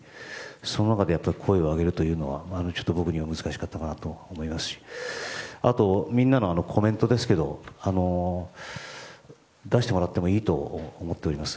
その中で声をあげるというのは僕には難しかったかなと思いますしあと、みんなのコメントですけど出してもらってもいいと思っております。